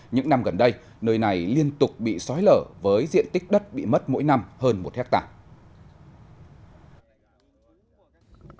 những năm gần đây nơi này liên tục bị sói lở với diện tích đất bị mất mỗi năm hơn một hectare